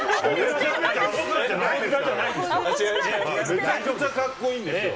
めちゃくちゃかっこいいんですよ。